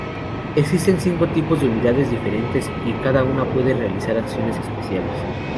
Existen cinco tipos de unidades diferentes, y cada una puede realizar acciones especiales.